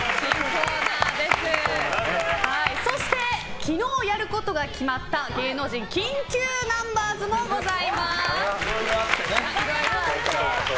そして、昨日やることが決まった芸能人緊急ナンバーズもございます。